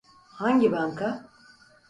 Hangi banka?